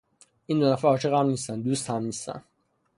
این دو نفر عاشق هم نیستند. دوست هم نیستند.